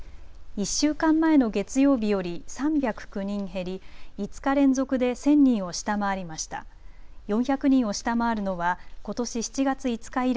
１週間前の月曜日より３０９人減り５日連続で１０００人を下回りました。